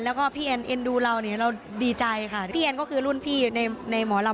แล้วก็พี่แอนเอนดูเรานี่เราดีใจค่ะพี่แอนก็คือรุ่นพี่ใน